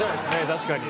確かに。